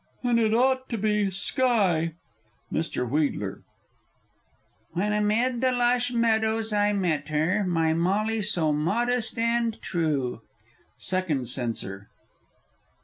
_ And it ought to be "sky." Mr. W. "When amid the lush meadows I met her, My Molly, so modest and true!" _Second Censor.